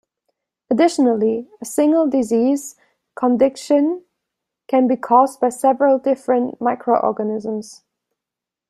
Additionally, a single disease condition can be caused by several different microorganisms.